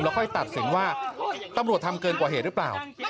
ค่อยตัดสินว่าตำรวจทำเกินกว่าเหตุหรือเปล่า